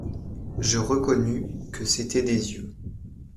Je reconnus que c'étaient des yeux.